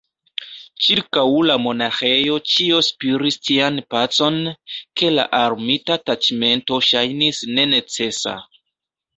Ĉirkaŭ la monaĥejo ĉio spiris tian pacon, ke la armita taĉmento ŝajnis nenecesa.